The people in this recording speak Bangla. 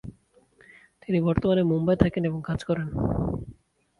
তিনি বর্তমানে মুম্বাইয়ে থাকেন এবং কাজ করেন।